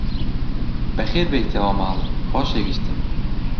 بەخێربێیتەوە ماڵ، خۆشەویستم!